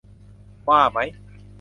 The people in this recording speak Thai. ว่ามั้ย